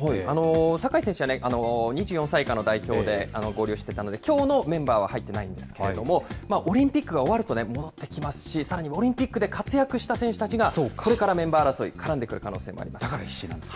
酒井選手は、２４歳以下の代表で合流していたので、きょうのメンバーは入っていないんですけれども、オリンピックが終わると戻ってきますし、さらにオリンピックで活躍した選手たちが、これからメンバー争い、だから必死なんですね。